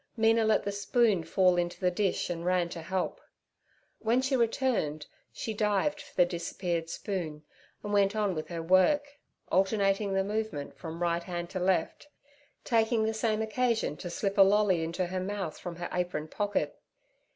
Mina let the spoon fall into the dish and ran to help. When she returned she dived for the disappeared spoon, and went on with her work, alternating the movement from right hand to left, taking the same occasion to slip a lolly into her mouth from her apron pocket.